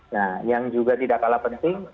nah yang juga tidak kalah penting